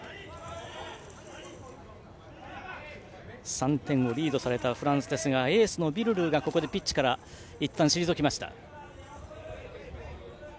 ３点をリードされたフランスですがエースのビルルーが一度ピッチから退きました。